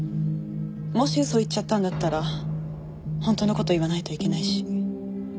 もし嘘言っちゃったんだったら本当の事言わないといけないし。